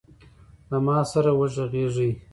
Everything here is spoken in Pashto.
له ما سره وغږیږﺉ .